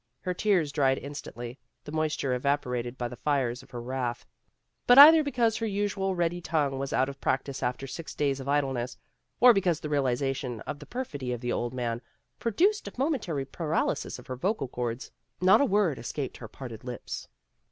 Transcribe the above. Her tears dried instantly, the moisture evapo rated by the fires of her wrath. But either be cause her usually ready tongue was out of practise after six days of idleness, or because the realization of the perfidy of the old man produced a momentary paralysis of her vocal chords, not a word escaped her parted lips.